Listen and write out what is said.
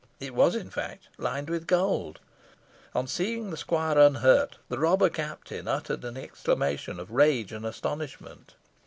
It was in fact lined with gold. On seeing the squire unhurt, the robber captain uttered an exclamation of rage and astonishment.